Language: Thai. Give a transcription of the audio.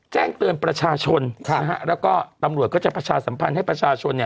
แจ้งเตือนประชาชนแล้วก็ตำรวจก็จะประชาสัมพันธ์ให้ประชาชน